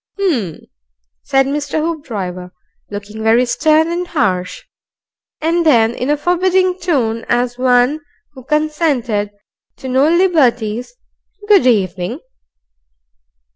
"H'm," said Mr. Hoopdriver, looking very stern and harsh. And then in a forbidding tone, as one who consented to no liberties, "Good evening."